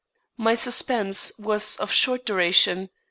My suspense was of short duration.